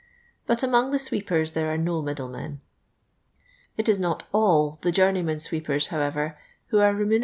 But among the l sweepers there are no middlemen. i It id not all the jnurneymen bwci pers, however, ' who are remun«.'